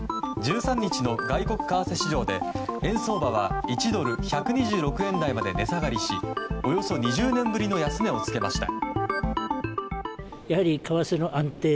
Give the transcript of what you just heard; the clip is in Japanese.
１３日の外国為替市場で円相場は１ドル＝１２６円台まで値下がりしおよそ２０年ぶりの安値をつけました。